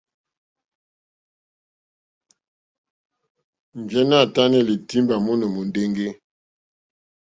Njɛ̀nɛ̀ hvɛ a tanɛ̀i lì timba mono mondeŋge e.